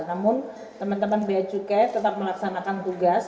namun teman teman bacukai tetap melaksanakan tugas